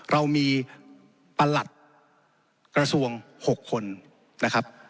เรามีประหลัดกระทรวง๖คนนะครับ